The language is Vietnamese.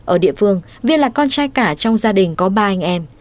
ở địa phương viên là con trai cả trong gia đình có ba anh em